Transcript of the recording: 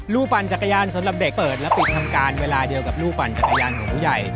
ปั่นจักรยานสำหรับเด็กเปิดแล้วปิดทำการเวลาเดียวกับลูกปั่นจักรยานของผู้ใหญ่